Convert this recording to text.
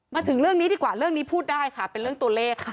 มาถึงเรื่องนี้ดีกว่าเรื่องนี้พูดได้ค่ะเป็นเรื่องตัวเลขค่ะ